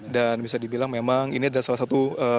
dan bisa dibilang memang ini adalah salah satu